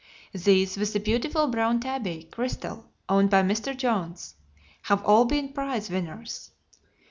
These, with the beautiful brown tabby, Crystal, owned by Mr. Jones, have all been prize winners.